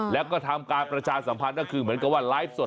แล้วก็ทำการประชาสัมพันธ์ก็คือเหมือนกับว่าไลฟ์สด